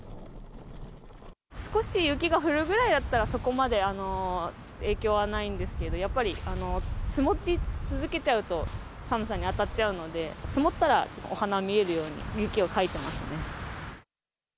少し雪が降るぐらいだったら、そこまで影響はないんですけど、やっぱり積もり続けちゃうと、寒さにあたっちゃうので、積もったらちょっと、お花見えるように雪をかいてますね。